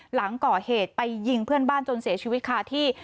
หลังก่อเหตุไปยิงเพื่อนบ้านจนเสียชีวิตคาที่